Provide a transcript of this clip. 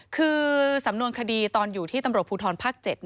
คือสำนวนคดีตอนอยู่ที่ตำรวจภูทรภาค๗